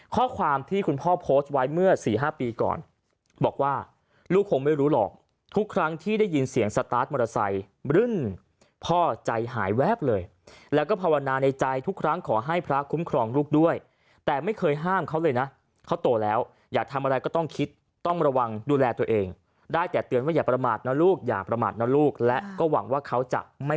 ข้อความที่คุณพ่อโพสต์ไว้เมื่อสี่ห้าปีก่อนบอกว่าลูกคงไม่รู้หรอกทุกครั้งที่ได้ยินเสียงสตาร์ทมอเตอร์ไซค์รึ่นพ่อใจหายแวบเลยแล้วก็ภาวนาในใจทุกครั้งขอให้พระคุ้มครองลูกด้วยแต่ไม่เคยห้ามเขาเลยนะเขาโตแล้วอยากทำอะไรก็ต้องคิดต้องระวังดูแลตัวเองได้แต่เตือนว่าอย่าประมาทนะลูกอย่าประมาทนะลูกและก็หวังว่าเขาจะไม่